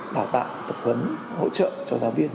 bảo tạng tập huấn hỗ trợ cho giáo viên